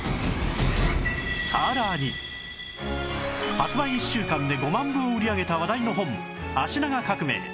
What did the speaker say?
発売１週間で５万部を売り上げた話題の本『脚長革命』